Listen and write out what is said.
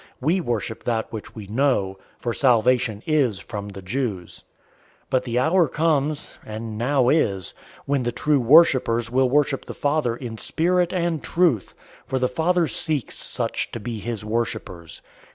We worship that which we know; for salvation is from the Jews. 004:023 But the hour comes, and now is, when the true worshippers will worship the Father in spirit and truth, for the Father seeks such to be his worshippers.